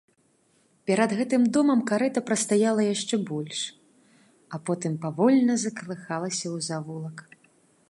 Перад гэтым домам карэта прастаяла яшчэ больш, а потым павольна закалыхалася ў завулак.